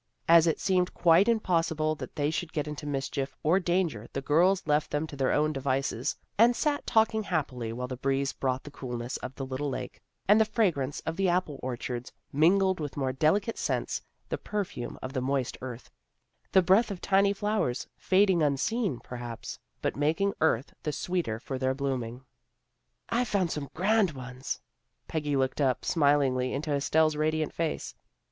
As it seemed quite impossible that they should get into mischief or danger the girls left them to their own devices, and sat talking happily while the breeze brought the coolness of the little lake, and the fragrance of the apple orchards, mingled with more delicate scents, the perfume of the moist earth, the breath of tiny flowers fading unseen, perhaps, but making earth the sweeter for their blooming. 322 THE GIRLS OF FRIENDLY TERRACE " I found some grand ones." Peggy looked up smilingly into Estelle's radiant face.